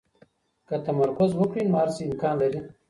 که تمرکز وکړئ، نو هر څه امکان لري.